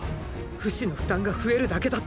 フシの負担が増えるだけだって！